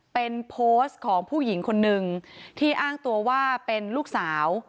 เป็นโพสต์ของผู้หญิงคนนึงที่อ้างตัวว่าเป็นลูกสาว